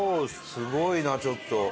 すごいなちょっと。